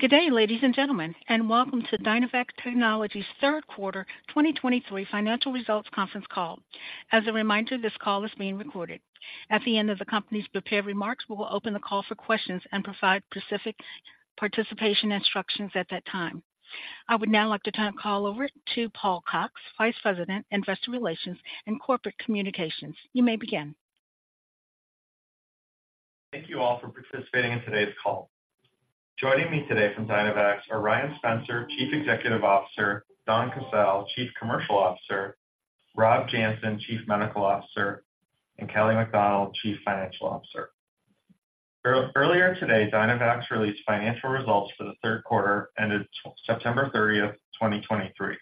Good day, ladies and gentlemen, and welcome to Dynavax Technologies' third quarter 2023 financial results conference call. As a reminder, this call is being recorded. At the end of the company's prepared remarks, we will open the call for questions and provide specific participation instructions at that time. I would now like to turn the call over to Paul Cox, Vice President, Investor Relations and Corporate Communications. You may begin. Thank you all for participating in today's call. Joining me today from Dynavax are Ryan Spencer, Chief Executive Officer; Donn Casale, Chief Commercial Officer; Rob Janssen, Chief Medical Officer; and Kelly MacDonald, Chief Financial Officer. Earlier today, Dynavax released financial results for the third quarter, ended September 30th, 2023.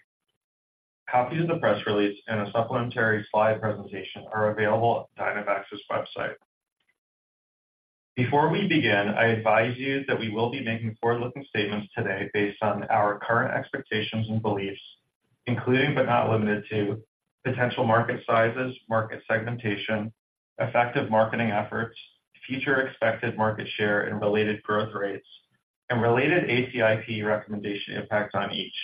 Copies of the press release and a supplementary slide presentation are available at Dynavax's website. Before we begin, I advise you that we will be making forward-looking statements today based on our current expectations and beliefs, including, but not limited to, potential market sizes, market segmentation, effective marketing efforts, future expected market share and related growth rates, and related ACIP recommendation impact on each,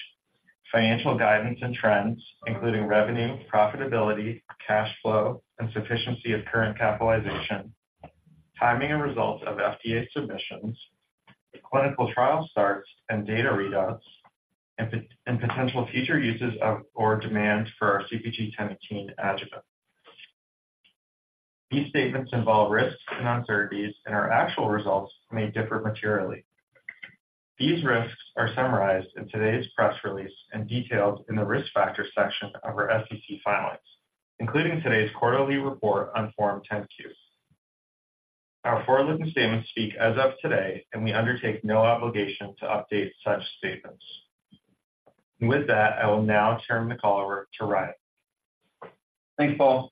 financial guidance and trends, including revenue, profitability, cash flow, and sufficiency of current capitalization, timing and results of FDA submissions, clinical trial starts and data readouts, and potential future uses of or demand for our CpG 1018 adjuvant. These statements involve risks and uncertainties, and our actual results may differ materially. These risks are summarized in today's press release and detailed in the Risk Factors section of our SEC filings, including today's quarterly report on Form 10-Q. Our forward-looking statements speak as of today, and we undertake no obligation to update such statements. With that, I will now turn the call over to Ryan. Thanks, Paul.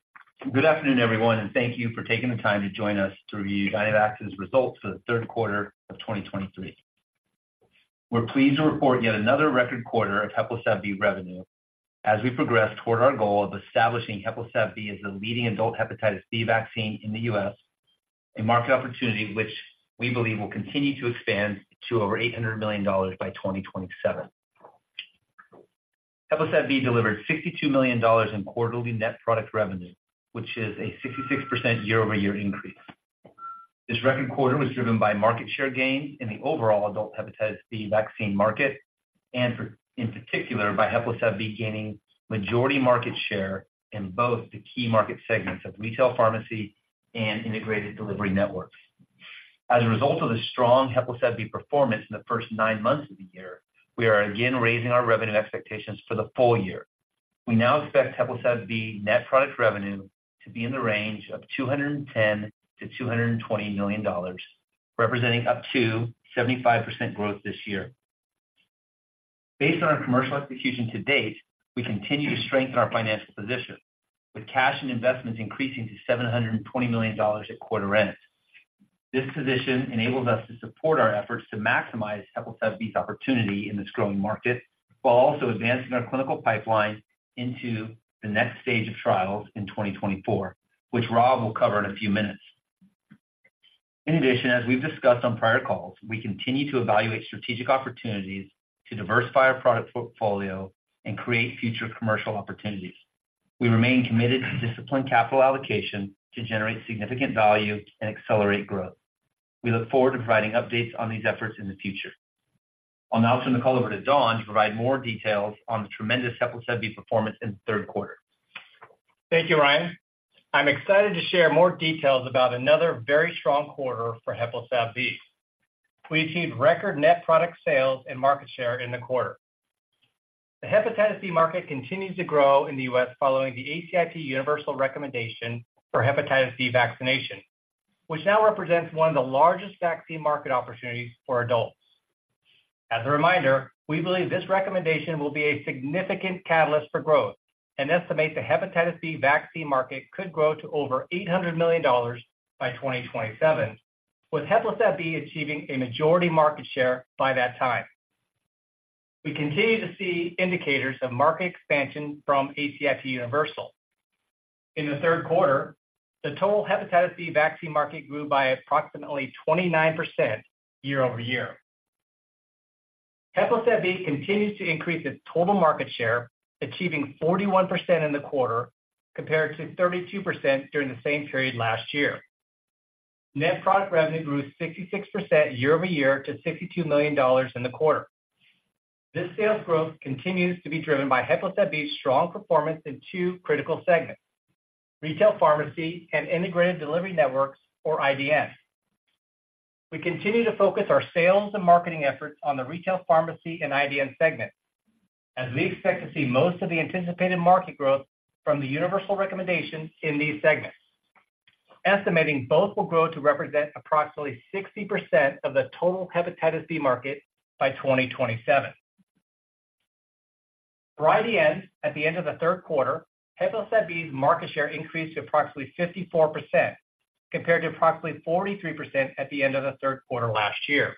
Good afternoon, everyone, and thank you for taking the time to join us to review Dynavax's results for the third quarter of 2023. We're pleased to report yet another record quarter of HEPLISAV-B revenue as we progress toward our goal of establishing HEPLISAV-B as the leading adult hepatitis B vaccine in the U.S., a market opportunity which we believe will continue to expand to over $800 million by 2027. HEPLISAV-B delivered $62 million in quarterly net product revenue, which is a 66% year-over-year increase. This record quarter was driven by market share gains in the overall adult hepatitis B vaccine market, and, in particular, by HEPLISAV-B gaining majority market share in both the key market segments of retail pharmacy and integrated delivery networks. As a result of the strong HEPLISAV-B performance in the first nine months of the year, we are again raising our revenue expectations for the full year. We now expect HEPLISAV-B net product revenue to be in the range of $210 million-$220 million, representing up to 75% growth this year. Based on our commercial execution to date, we continue to strengthen our financial position, with cash and investments increasing to $720 million at quarter end. This position enables us to support our efforts to maximize HEPLISAV-B's opportunity in this growing market, while also advancing our clinical pipeline into the next stage of trials in 2024, which Rob will cover in a few minutes. In addition, as we've discussed on prior calls, we continue to evaluate strategic opportunities to diversify our product portfolio and create future commercial opportunities. We remain committed to disciplined capital allocation to generate significant value and accelerate growth. We look forward to providing updates on these efforts in the future. I'll now turn the call over to Donn to provide more details on the tremendous HEPLISAV-B performance in the third quarter. Thank you, Ryan. I'm excited to share more details about another very strong quarter for HEPLISAV-B. We achieved record net product sales and market share in the quarter. The hepatitis B market continues to grow in the U.S. following the ACIP universal recommendation for hepatitis B vaccination, which now represents one of the largest vaccine market opportunities for adults. As a reminder, we believe this recommendation will be a significant catalyst for growth and estimate the hepatitis B vaccine market could grow to over $800 million by 2027, with HEPLISAV-B achieving a majority market share by that time. We continue to see indicators of market expansion from ACIP universal. In the third quarter, the total hepatitis B vaccine market grew by approximately 29% year-over-year. HEPLISAV-B continues to increase its total market share, achieving 41% in the quarter, compared to 32% during the same period last year. Net product revenue grew 66% year over year to $62 million in the quarter. This sales growth continues to be driven by HEPLISAV-B's strong performance in two critical segments: retail pharmacy and integrated delivery networks or IDNs. We continue to focus our sales and marketing efforts on the retail pharmacy and IDN segment, as we expect to see most of the anticipated market growth from the universal recommendation in these segments, estimating both will grow to represent approximately 60% of the total hepatitis B market by 2027. For IDNs, at the end of the third quarter, HEPLISAV-B's market share increased to approximately 54%, compared to approximately 43% at the end of the third quarter last year.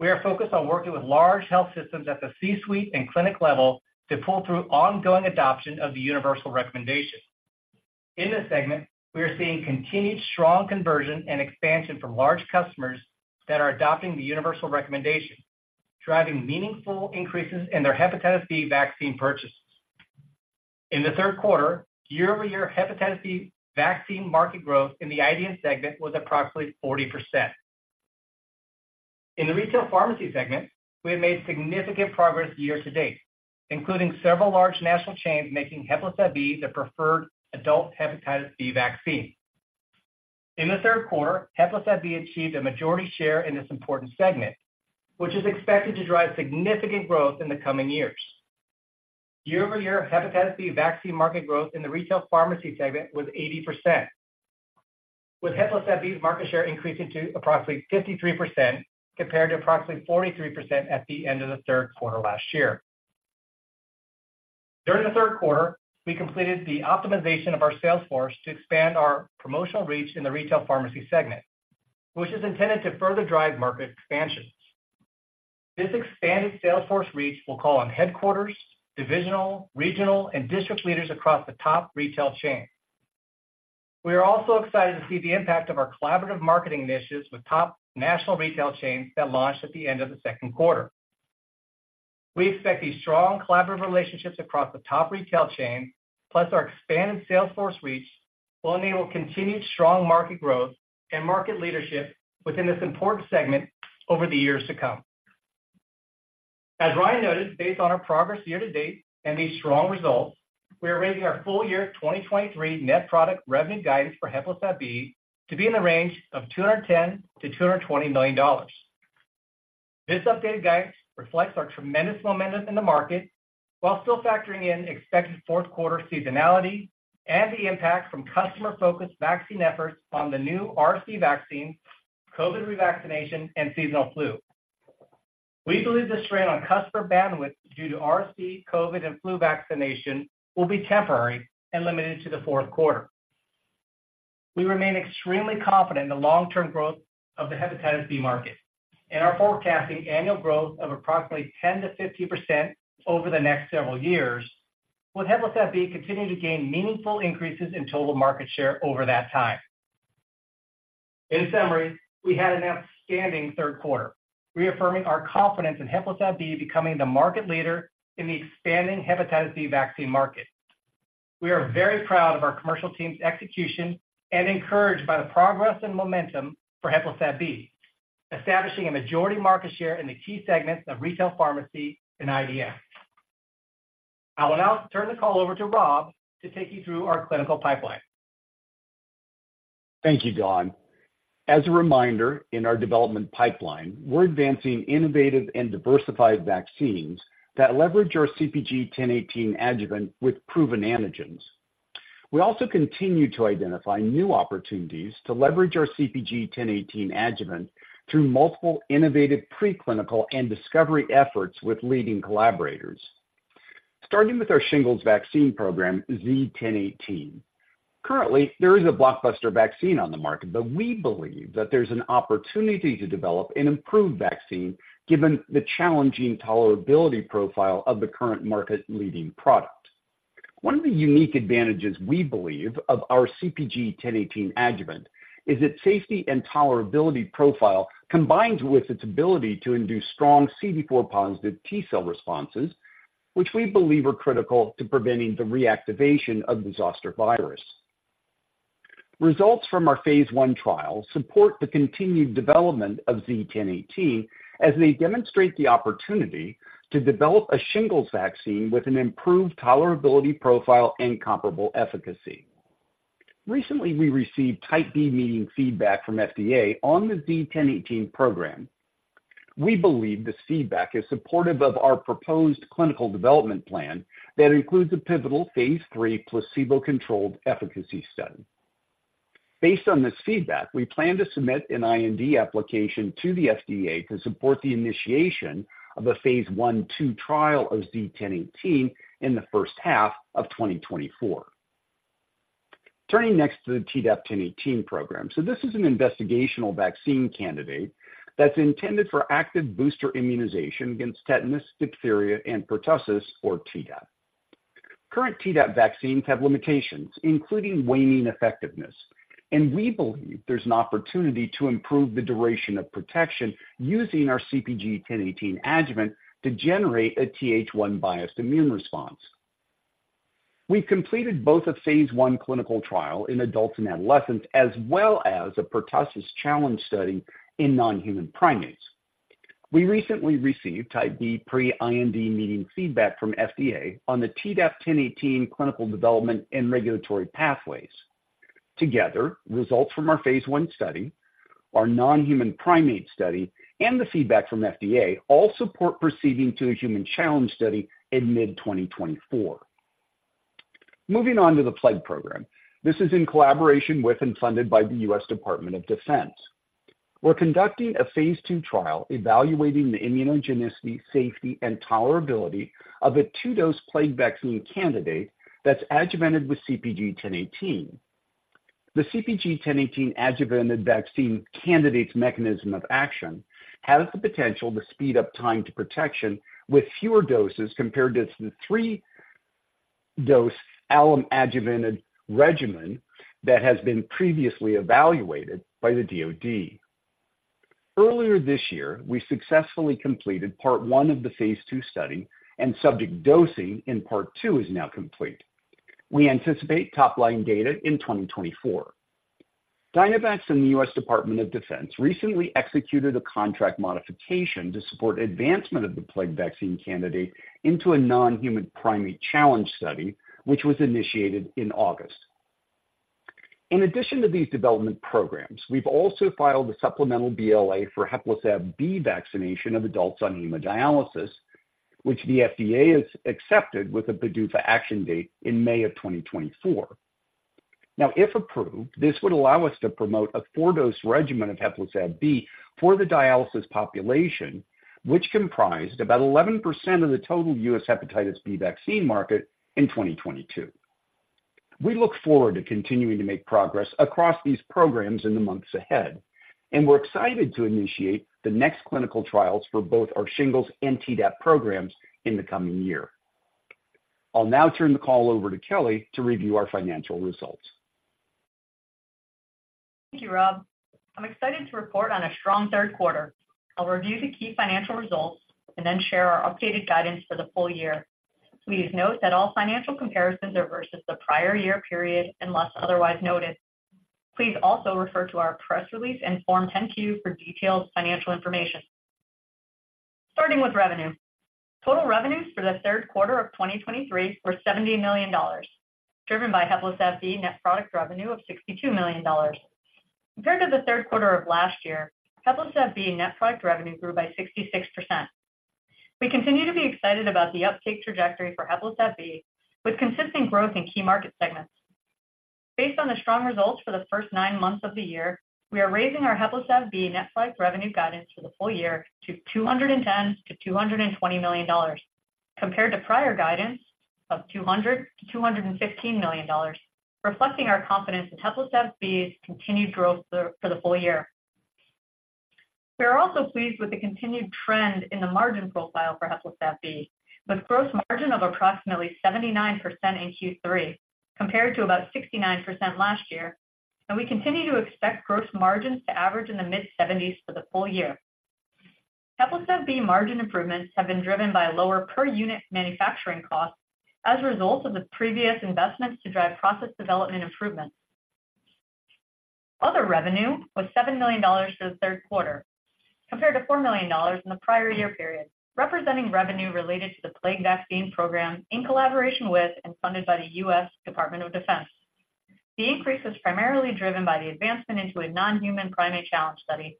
We are focused on working with large health systems at the C-suite and clinic level to pull through ongoing adoption of the universal recommendation.... In this segment, we are seeing continued strong conversion and expansion from large customers that are adopting the universal recommendation, driving meaningful increases in their hepatitis B vaccine purchases. In the third quarter, year-over-year hepatitis B vaccine market growth in the IDN segment was approximately 40%. In the retail pharmacy segment, we have made significant progress year-to-date, including several large national chains making HEPLISAV-B the preferred adult hepatitis B vaccine. In the third quarter, HEPLISAV-B achieved a majority share in this important segment, which is expected to drive significant growth in the coming years. Year-over-year, hepatitis B vaccine market growth in the retail pharmacy segment was 80%, with HEPLISAV-B's market share increasing to approximately 53% compared to approximately 43% at the end of the third quarter last year. During the third quarter, we completed the optimization of our sales force to expand our promotional reach in the retail pharmacy segment, which is intended to further drive market expansion. This expanded sales force reach will call on headquarters, divisional, regional, and district leaders across the top retail chains. We are also excited to see the impact of our collaborative marketing initiatives with top national retail chains that launched at the end of the second quarter. We expect these strong collaborative relationships across the top retail chain, plus our expanded sales force reach, will enable continued strong market growth and market leadership within this important segment over the years to come. As Ryan noted, based on our progress year-to-date and these strong results, we are raising our full year 2023 net product revenue guidance for HEPLISAV-B to be in the range of $210 million-$220 million. This updated guidance reflects our tremendous momentum in the market, while still factoring in expected fourth quarter seasonality and the impact from customer-focused vaccine efforts on the new RSV vaccine, COVID revaccination, and seasonal flu. We believe the strain on customer bandwidth due to RSV, COVID, and flu vaccination will be temporary and limited to the fourth quarter. We remain extremely confident in the long-term growth of the hepatitis B market and are forecasting annual growth of approximately 10%-50% over the next several years, with HEPLISAV-B continuing to gain meaningful increases in total market share over that time. In summary, we had an outstanding third quarter, reaffirming our confidence in HEPLISAV-B becoming the market leader in the expanding hepatitis B vaccine market. We are very proud of our commercial team's execution and encouraged by the progress and momentum for HEPLISAV-B, establishing a majority market share in the key segments of retail pharmacy and IDN. I will now turn the call over to Rob to take you through our clinical pipeline. Thank you, Donn. As a reminder, in our development pipeline, we're advancing innovative and diversified vaccines that leverage our CpG 1018 adjuvant with proven antigens. We also continue to identify new opportunities to leverage our CpG 1018 adjuvant through multiple innovative preclinical and discovery efforts with leading collaborators. Starting with our shingles vaccine program, Z-1018. Currently, there is a blockbuster vaccine on the market, but we believe that there's an opportunity to develop an improved vaccine given the challenging tolerability profile of the current market-leading product. One of the unique advantages we believe of our CpG 1018 adjuvant is its safety and tolerability profile, combined with its ability to induce strong CD4 positive T-cell responses, which we believe are critical to preventing the reactivation of the zoster virus. Results from our phase I trial support the continued development of Z-1018 as they demonstrate the opportunity to develop a shingles vaccine with an improved tolerability profile and comparable efficacy. Recently, we received type B meeting feedback from FDA on the Z-1018 program. We believe this feedback is supportive of our proposed clinical development plan that includes a pivotal phase III placebo-controlled efficacy study. Based on this feedback, we plan to submit an IND application to the FDA to support the initiation of a phase I/II trial of Z-1018 in the first half of 2024. Turning next to the Tdap-1018 program. This is an investigational vaccine candidate that's intended for active booster immunization against tetanus, diphtheria, and pertussis, or Tdap. Current Tdap vaccines have limitations, including waning effectiveness, and we believe there's an opportunity to improve the duration of protection using our CpG 1018 adjuvant to generate a Th1 biased immune response. We've completed both a phase I clinical trial in adults and adolescents, as well as a pertussis challenge study in non-human primates. We recently received type B pre-IND meeting feedback from FDA on the Tdap-1018 clinical development and regulatory pathways. Together, results from our phase I study, our non-human primate study, and the feedback from FDA all support proceeding to a human challenge study in mid-2024. Moving on to the plague program. This is in collaboration with and funded by the U.S. Department of Defense. We're conducting a phase II trial evaluating the immunogenicity, safety, and tolerability of a two-dose plague vaccine candidate that's adjuvanted with CpG 1018.... The CpG 1018 adjuvanted vaccine candidate's mechanism of action has the potential to speed up time to protection with fewer doses compared to the three-dose alum adjuvanted regimen that has been previously evaluated by the DoD. Earlier this year, we successfully completed part one of the phase II study, and subject dosing in part two is now complete. We anticipate top-line data in 2024. Dynavax and the U.S. Department of Defense recently executed a contract modification to support advancement of the plague vaccine candidate into a non-human primate challenge study, which was initiated in August. In addition to these development programs, we've also filed a supplemental BLA for HEPLISAV-B vaccination of adults on hemodialysis, which the FDA has accepted with a PDUFA action date in May 2024. Now, if approved, this would allow us to promote a four-dose regimen of HEPLISAV-B for the dialysis population, which comprised about 11% of the total U.S. hepatitis B vaccine market in 2022. We look forward to continuing to make progress across these programs in the months ahead, and we're excited to initiate the next clinical trials for both our shingles and Tdap programs in the coming year. I'll now turn the call over to Kelly to review our financial results. Thank you, Rob. I'm excited to report on a strong third quarter. I'll review the key financial results and then share our updated guidance for the full year. Please note that all financial comparisons are versus the prior year period, unless otherwise noted. Please also refer to our press release and Form 10-Q for detailed financial information. Starting with revenue. Total revenues for the third quarter of 2023 were $70 million, driven by HEPLISAV-B net product revenue of $62 million. Compared to the third quarter of last year, HEPLISAV-B net product revenue grew by 66%. We continue to be excited about the uptake trajectory for HEPLISAV-B, with consistent growth in key market segments. Based on the strong results for the first nine months of the year, we are raising our HEPLISAV-B net product revenue guidance for the full year to $210 million-$220 million, compared to prior guidance of $200 million-$215 million, reflecting our confidence in HEPLISAV-B's continued growth for the full year. We are also pleased with the continued trend in the margin profile for HEPLISAV-B, with gross margin of approximately 79% in Q3, compared to about 69% last year, and we continue to expect gross margins to average in the mid-70s for the full year. HEPLISAV-B margin improvements have been driven by lower per unit manufacturing costs as a result of the previous investments to drive process development improvements. Other revenue was $7 million for the third quarter, compared to $4 million in the prior year period, representing revenue related to the plague vaccine program in collaboration with and funded by the U.S. Department of Defense. The increase was primarily driven by the advancement into a non-human primate challenge study.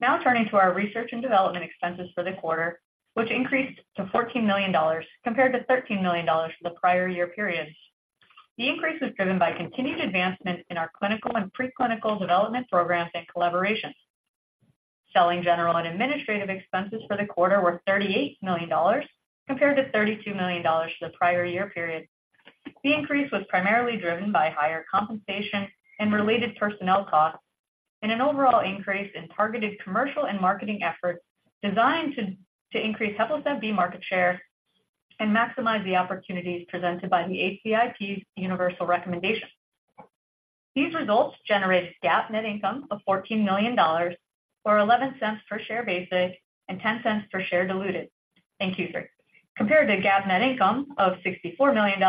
Now turning to our research and development expenses for the quarter, which increased to $14 million compared to $13 million for the prior year period. The increase was driven by continued advancement in our clinical and preclinical development programs and collaborations. Selling, general, and administrative expenses for the quarter were $38 million, compared to $32 million for the prior year period. The increase was primarily driven by higher compensation and related personnel costs and an overall increase in targeted commercial and marketing efforts designed to increase HEPLISAV-B market share and maximize the opportunities presented by the ACIP's universal recommendation. These results generated GAAP net income of $14 million, or $0.11 per share basic and $0.10 per share diluted. Thank you, Sir. Compared to GAAP net income of $64 million,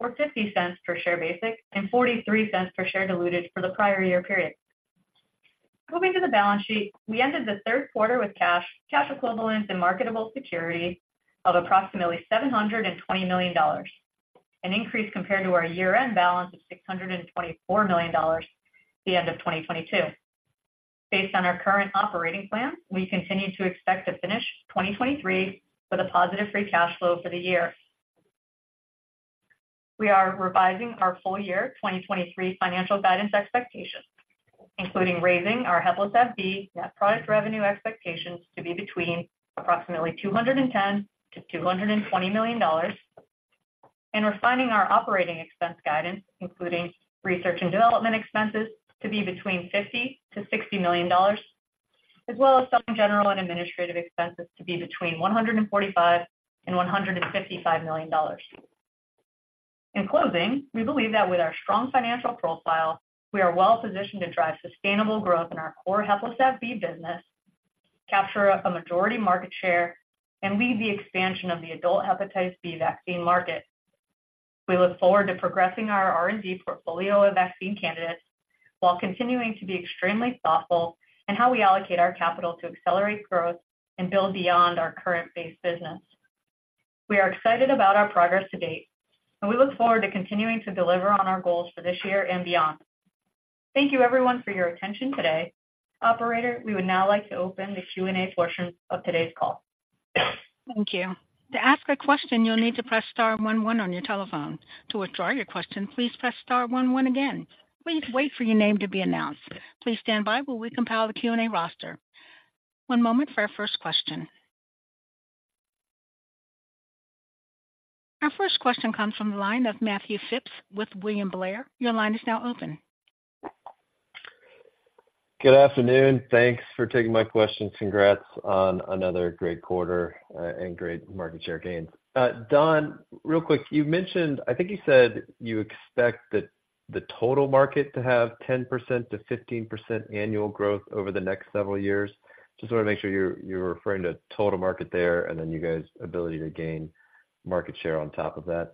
or $0.50 per share basic and $0.43 per share diluted for the prior year period. Moving to the balance sheet, we ended the third quarter with cash, cash equivalents, and marketable security of approximately $720 million, an increase compared to our year-end balance of $624 million at the end of 2022. Based on our current operating plan, we continue to expect to finish 2023 with a positive free cash flow for the year. We are revising our full year 2023 financial guidance expectations, including raising our HEPLISAV-B net product revenue expectations to be between approximately $210 million-$220 million, and we're refining our operating expense guidance, including research and development expenses, to be between $50 million-$60 million, as well as some general and administrative expenses to be between $145 million and $155 million. In closing, we believe that with our strong financial profile, we are well positioned to drive sustainable growth in our core HEPLISAV-B business, capture a majority market share, and lead the expansion of the adult hepatitis B vaccine market. We look forward to progressing our R&D portfolio of vaccine candidates, while continuing to be extremely thoughtful in how we allocate our capital to accelerate growth and build beyond our current base business. We are excited about our progress to date, and we look forward to continuing to deliver on our goals for this year and beyond. Thank you everyone for your attention today. Operator, we would now like to open the Q&A portion of today's call. Thank you. To ask a question, you'll need to press star one one on your telephone. To withdraw your question, please press star one one again. Please wait for your name to be announced. Please stand by while we compile the Q&A roster. One moment for our first question. Our first question comes from the line of Matthew Phipps with William Blair. Your line is now open. Good afternoon. Thanks for taking my question. Congrats on another great quarter and great market share gains. Donn, real quick, you mentioned, I think you said you expect that the total market to have 10%-15% annual growth over the next several years. Just want to make sure you're referring to total market there, and then you guys' ability to gain market share on top of that.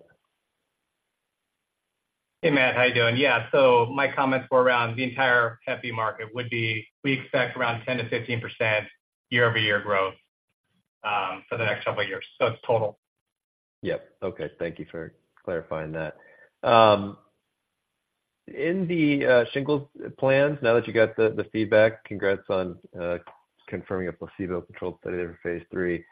Hey, Matt, how you doing? Yeah, so my comments were around the entire Hep B market would be, we expect around 10%-15% year-over-year growth for the next couple years. So it's total. Yep. Okay. Thank you for clarifying that. In the shingles plans, now that you got the feedback, congrats on confirming a placebo-controlled study for phase III.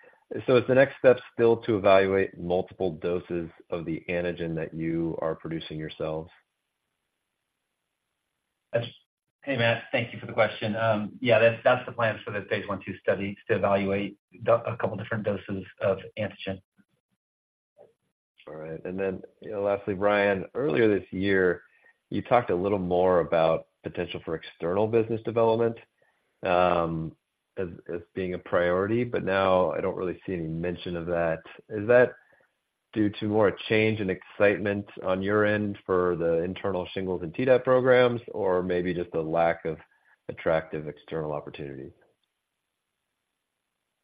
So is the next step still to evaluate multiple doses of the antigen that you are producing yourselves? That's... Hey, Matt, thank you for the question. Yeah, that's the plan for the phase I/II study, to evaluate a couple different doses of antigen. All right. And then, lastly, Ryan, earlier this year, you talked a little more about potential for external business development as being a priority, but now I don't really see any mention of that. Is that due to more a change in excitement on your end for the internal shingles and Tdap programs, or maybe just a lack of attractive external opportunities?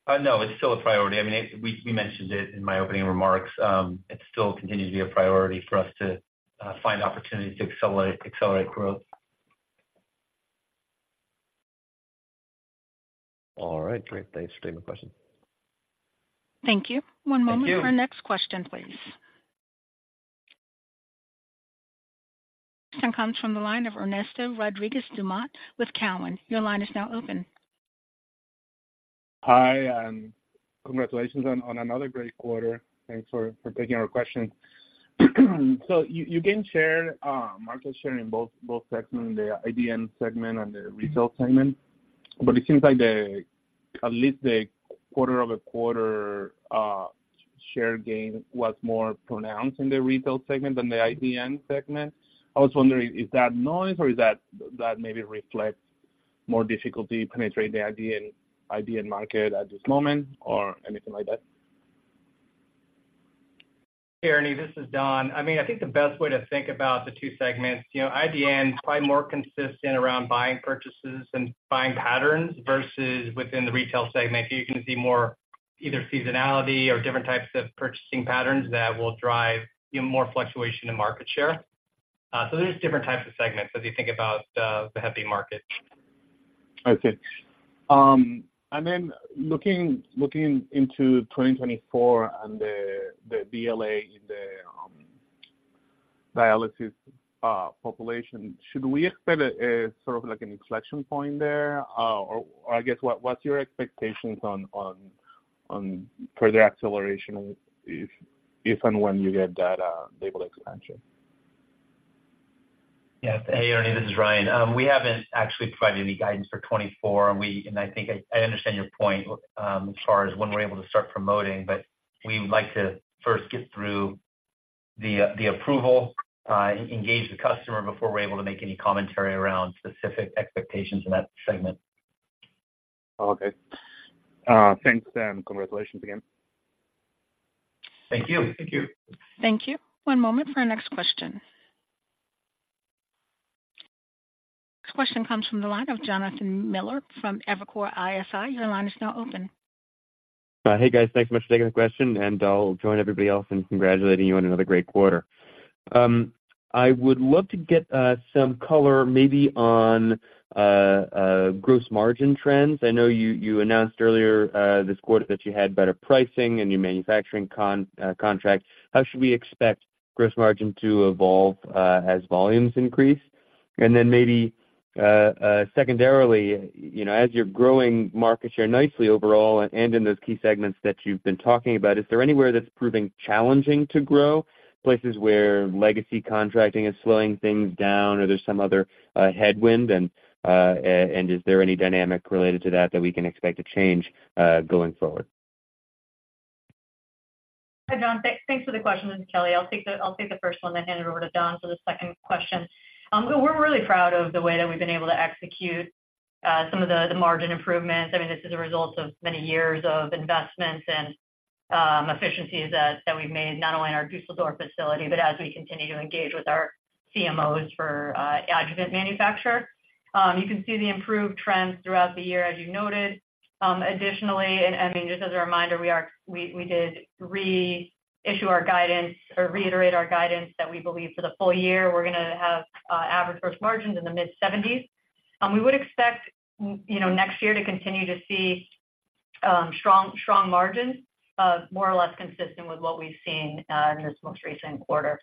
No, it's still a priority. I mean, we mentioned it in my opening remarks. It still continues to be a priority for us to find opportunities to accelerate growth. All right, great. Thanks for taking the question. Thank you. Thank you. One moment for our next question, please.... Comes from the line of Ernesto Rodriguez Dumont with Cowen. Your line is now open. Hi, and congratulations on another great quarter. Thanks for taking our question. So you gained share, market share in both segments, the IDN segment and the retail segment, but it seems like at least the quarter-over-quarter share gain was more pronounced in the retail segment than the IDN segment. I was wondering, is that noise, or is that maybe reflects more difficulty penetrating the IDN market at this moment, or anything like that? Hey, Ernie, this is Donn. I mean, I think the best way to think about the two segments, you know, IDN is probably more consistent around buying purchases and buying patterns versus within the retail segment. You're going to see more either seasonality or different types of purchasing patterns that will drive even more fluctuation in market share. So there's different types of segments as you think about the HEPLISAV-B market. Okay. And then looking into 2024 and the BLA in the dialysis population, should we expect a sort of like an inflection point there? Or I guess, what's your expectations on further acceleration if and when you get that label expansion? Yes. Hey, Ernie, this is Ryan. We haven't actually provided any guidance for 2024, and we, and I think I understand your point, as far as when we're able to start promoting, but we would like to first get through the approval, engage the customer before we're able to make any commentary around specific expectations in that segment. Okay. Thanks, and congratulations again. Thank you. Thank you. Thank you. One moment for our next question. ... Next question comes from the line of Jonathan Miller from Evercore ISI. Your line is now open. Hey, guys, thanks so much for taking the question, and I'll join everybody else in congratulating you on another great quarter. I would love to get some color, maybe on gross margin trends. I know you, you announced earlier this quarter that you had better pricing and new manufacturing contracts. How should we expect gross margin to evolve as volumes increase? And then maybe secondarily, you know, as you're growing market share nicely overall and in those key segments that you've been talking about, is there anywhere that's proving challenging to grow, places where legacy contracting is slowing things down, or there's some other headwind, and and is there any dynamic related to that, that we can expect to change going forward? Hi, Jon. Thanks, thanks for the question. This is Kelly. I'll take the first one then hand it over to Donn for the second question. We're really proud of the way that we've been able to execute some of the margin improvements. I mean, this is a result of many years of investments and efficiencies that we've made, not only in our Düsseldorf facility, but as we continue to engage with our CMOs for adjuvant manufacture. You can see the improved trends throughout the year, as you noted. Additionally, and I mean, just as a reminder, we did reissue our guidance or reiterate our guidance that we believe for the full year we're going to have average risk margins in the mid-70s. We would expect, you know, next year to continue to see strong, strong margins, more or less consistent with what we've seen in this most recent quarter.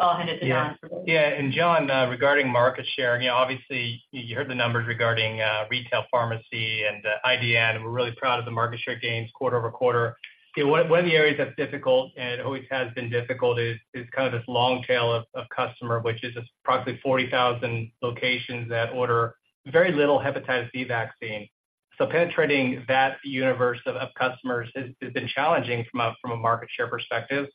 I'll hand it to Donn. Yeah. Yeah, and Jon, regarding market share, you know, obviously, you heard the numbers regarding retail pharmacy and IDN, and we're really proud of the market share gains quarter over quarter. One of the areas that's difficult and always has been difficult is kind of this long tail of customer, which is approximately 40,000 locations that order very little hepatitis B vaccine. So penetrating that universe of customers has been challenging from a market share perspective....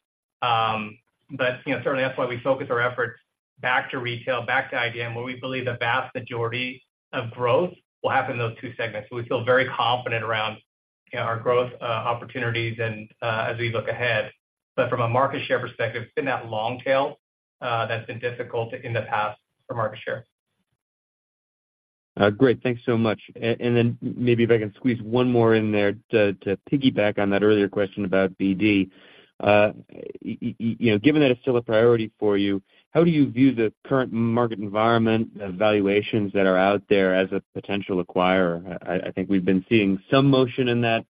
But, you know, certainly that's why we focus our efforts back to retail, back to IDN, where we believe the vast majority of growth will happen in those two segments. So we feel very confident around, you know, our growth, opportunities and, as we look ahead. But from a market share perspective, it's been that long tail, that's been difficult in the past for market share. Great, thanks so much. And then maybe if I can squeeze one more in there to piggyback on that earlier question about BD. You know, given that it's still a priority for you, how do you view the current market environment and valuations that are out there as a potential acquirer? I think we've been seeing some motion in that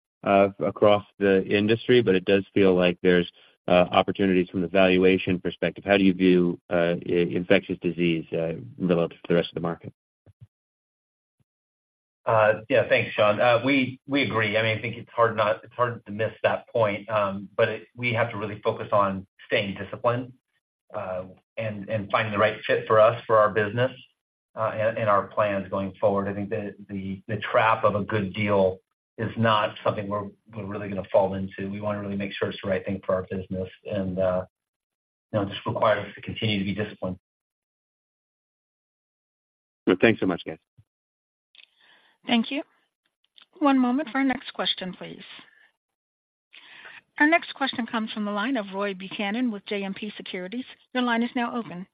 across the industry, but it does feel like there's opportunities from the valuation perspective. How do you view infectious disease relative to the rest of the market? Yeah, thanks, Jon. We agree. I mean, I think it's hard to miss that point. But it... We have to really focus on staying disciplined, and finding the right fit for us, for our business, and our plans going forward. I think the trap of a good deal is not something we're really gonna fall into. We wanna really make sure it's the right thing for our business and, you know, just require us to continue to be disciplined. Well, thanks so much, guys. Thank you. One moment for our next question, please. Our next question comes from the line of Roy Buchanan with JMP Securities. Your line is now open.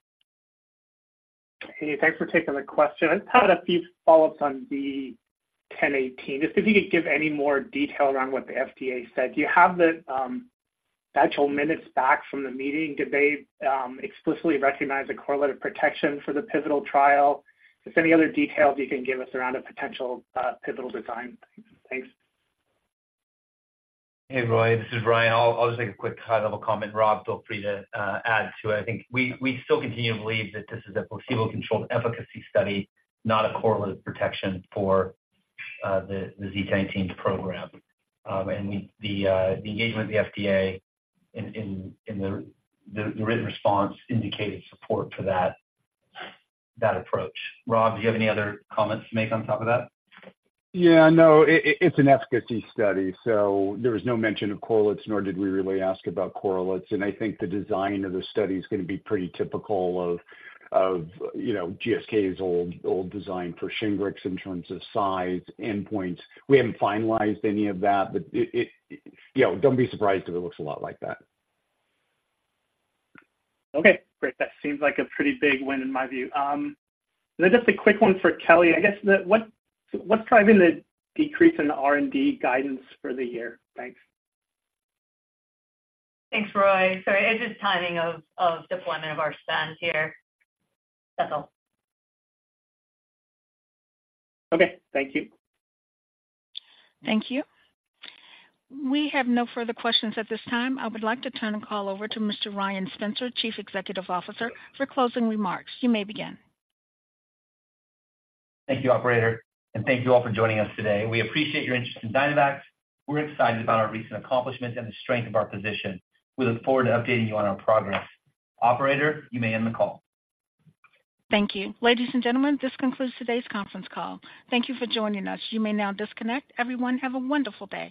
Hey, thanks for taking the question. I just had a few follow-ups on the 1018. Just if you could give any more detail around what the FDA said? Do you have the actual minutes back from the meeting? Did they explicitly recognize the correlative protection for the pivotal trial? Just any other details you can give us around a potential pivotal design. Thanks. Hey, Roy, this is Ryan. I'll just make a quick high-level comment. Rob, feel free to add to it. I think we still continue to believe that this is a placebo-controlled efficacy study, not a correlative protection for the Z-1018 program. And the engagement with the FDA in the written response indicated support for that approach. Rob, do you have any other comments to make on top of that? Yeah, no, it's an efficacy study, so there was no mention of correlates, nor did we really ask about correlates. And I think the design of the study is gonna be pretty typical of, you know, GSK's old design for Shingrix in terms of size, endpoints. We haven't finalized any of that, but it, you know, don't be surprised if it looks a lot like that. Okay, great. That seems like a pretty big win in my view. And then just a quick one for Kelly. I guess the... What, what's driving the decrease in the R&D guidance for the year? Thanks. Thanks, Roy. So it's just timing of deployment of our spend here. That's all. Okay, thank you. Thank you. We have no further questions at this time. I would like to turn the call over to Mr. Ryan Spencer, Chief Executive Officer, for closing remarks. You may begin. Thank you, operator, and thank you all for joining us today. We appreciate your interest in Dynavax. We're excited about our recent accomplishments and the strength of our position. We look forward to updating you on our progress. Operator, you may end the call. Thank you. Ladies and gentlemen, this concludes today's conference call. Thank you for joining us. You may now disconnect. Everyone, have a wonderful day.